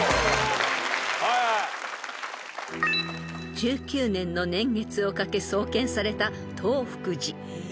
［１９年の年月をかけ創建された］